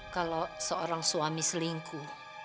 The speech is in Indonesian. kalau seorang suami selingkuh